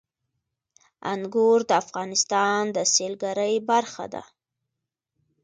انګور د افغانستان د سیلګرۍ برخه ده.